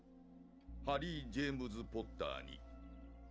「ハリー・ジェームズ・ポッターに」